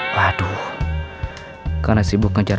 waduh karena sibuk ngejar